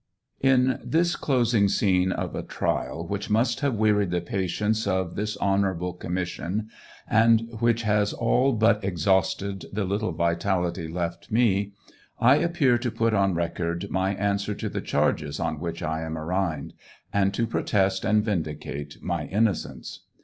Ill this closing scene of a trial which must have wearied the patience of this honorable commission, and which has all but exhausted the little vitality lefi me, I appear to put on record my answer to the charges on which I am arraigned .and to protest and vindicate my innocence.